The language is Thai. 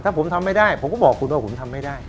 ถ้าผมทำไม่ได้ผมก็บอกคุณว่าผมทำไม่ได้